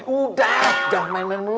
udah yang main main dulu